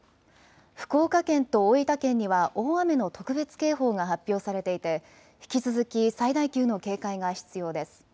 福岡県と大分県には大雨の特別警報が発表されていて引き続き最大級の警戒が必要です。